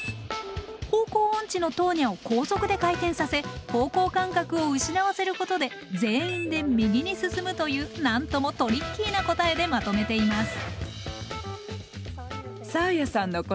方向音痴のトーニャを高速で回転させ方向感覚を失わせることで全員で右に進むというなんともトリッキーな答えでまとめています。